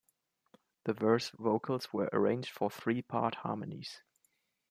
The verse vocals were arranged for three-part harmonies.